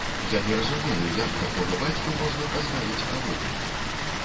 Я не разумею, як такога бацьку можна пазбавіць правоў!